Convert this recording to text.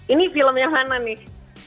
ini film yang hana nih